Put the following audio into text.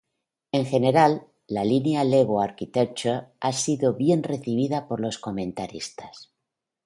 En general, la línea Lego Architecture ha sido bien recibida por los comentaristas.